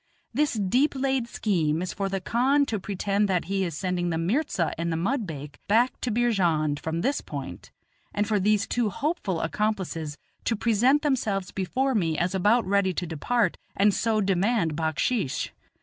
This deep laid scheme is for the khan to pretend that he is sending the mirza and the mudbake back to Beerjand from this point, and for these two hopeful accomplices to present themselves before me as about ready to depart, and so demand backsheesh.